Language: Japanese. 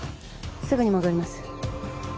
すぐに戻ります。